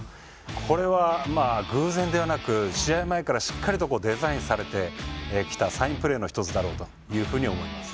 これは偶然ではなく試合前からしっかりとデザインされてきたサインプレーの１つだろうと思います。